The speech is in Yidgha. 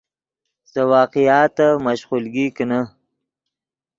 سے واقعاتف مشقولگی کینے